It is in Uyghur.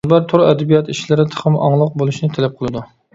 مۇنبەر تور ئەدەبىيات ئىشلىرى تېخىمۇ ئاڭلىق بولۇشىنى تەلەپ قىلىدۇ.